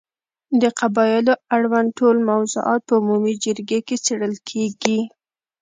د قبایلو اړوند ټول موضوعات په عمومي جرګې کې څېړل کېږي.